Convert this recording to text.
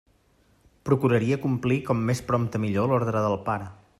Procuraria complir com més prompte millor l'ordre del pare.